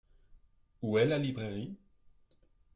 Où est la librairie ?